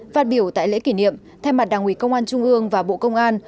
phát biểu tại lễ kỷ niệm thay mặt đảng ủy công an trung ương và bộ công an